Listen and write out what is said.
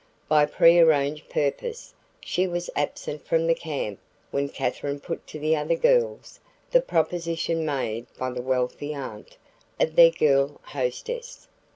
By prearranged purpose, she was absent from the camp when Katherine put to the other girls the proposition made by the wealthy aunt of their girl hostess.